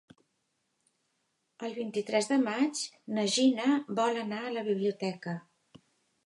El vint-i-tres de maig na Gina vol anar a la biblioteca.